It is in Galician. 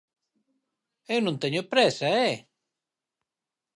Eu non teño présa, ¡eh!